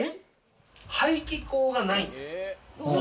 排気口がないんです。